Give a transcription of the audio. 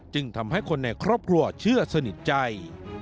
จึงทำให้คนในครอบครัวเชื่อสนิทใจ